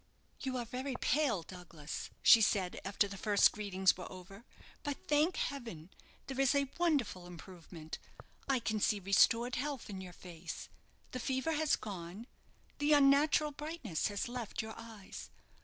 "You are very pale, Douglas," she said after the first greetings were over. "But, thank heaven, there is a wonderful improvement. I can see restored health in your face. The fever has gone the unnatural brightness has left your eyes.